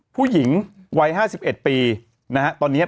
ผู้หญิงวัย๕๑ปีนะฮะตอนนี้